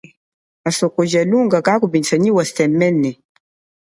Asoko ja lunga kakupindjisa nyi wa semene.